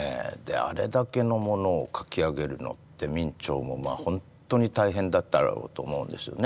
あれだけのものを描き上げるのって明兆もほんとに大変だったろうと思うんですよね。